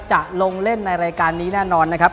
จะลงเล่นในรายการนี้แน่นอนนะครับ